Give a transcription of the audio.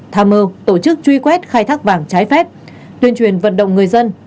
tham mơ tổ chức truy quét khai thác vàng trái phép tuyên truyền vận động người dân